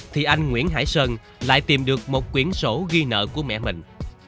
thì anh nguyễn hải sơn lại tìm được một quyển sổ ghi nợ của mẹ mình